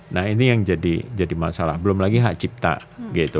nah ini yang jadi masalah belum lagi hak cipta gitu